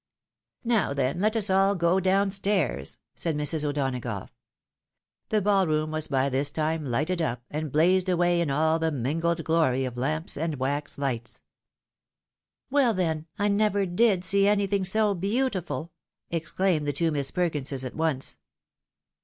" Now, then, let us all go down stairs .'" said Mrs. O'Dona gough. The ball room was by tliis time lighted up, and blazed away in all the mingled glory of lamps and wax lights. THE AIM OF ME. O'dONAGOUGII'S LIFE. 355 " Well, then, I never did see anytlnng so beautiful !" ex claimed the two Miss Perkinses at once.